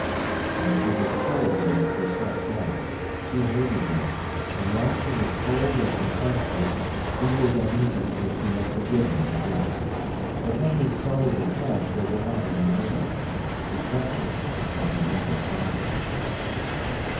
And she was cold to him for some time—she hated him; and while she was cold and contemptuous, he was uneasy till she had forgiven him again. But when they started afresh they were not any nearer. He kept her because he never satisfied her.